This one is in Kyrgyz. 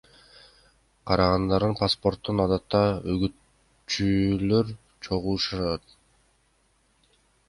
Жарандардын паспортун адатта үгүтчүлөр чогултушат.